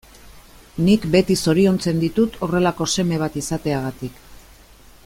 Nik beti zoriontzen ditut horrelako seme bat izateagatik.